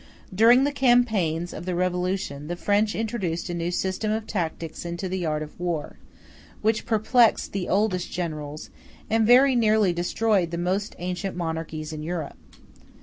During the campaigns of the Revolution the French introduced a new system of tactics into the art of war, which perplexed the oldest generals, and very nearly destroyed the most ancient monarchies in Europe.